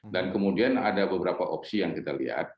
dan kemudian ada beberapa opsi yang kita lihat